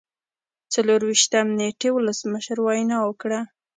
څلور ویشتم نیټې ولسمشر وینا وکړه.